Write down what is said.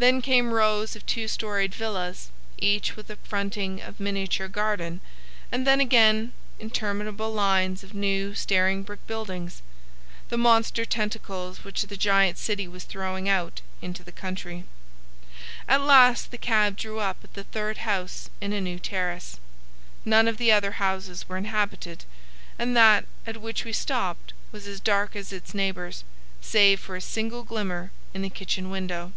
Then came rows of two storied villas each with a fronting of miniature garden, and then again interminable lines of new staring brick buildings,—the monster tentacles which the giant city was throwing out into the country. At last the cab drew up at the third house in a new terrace. None of the other houses were inhabited, and that at which we stopped was as dark as its neighbours, save for a single glimmer in the kitchen window.